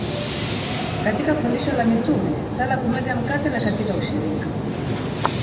katika fundisho la mitume sala kumega mkate na katika ushirika